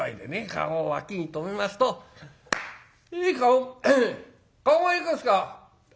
駕籠を脇に止めますと「へえ駕籠駕籠はいかがですか？